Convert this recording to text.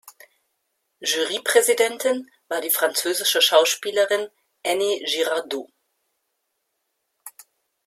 Jurypräsidentin war die französische Schauspielerin Annie Girardot.